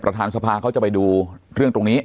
สภาเขาจะไปดูเรื่องตรงนี้